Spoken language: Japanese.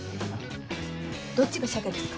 どっちが鮭ですか？